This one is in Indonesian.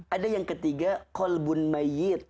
ada yang ketiga kolbun mayid